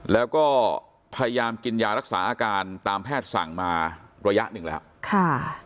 แล้วก็พยายามกินยารักษาอาการตามแพทย์สั่งมาระยะหนึ่งแล้วค่ะ